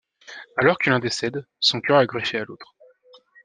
Alors que l'un décède, son cœur est greffé à l'autre.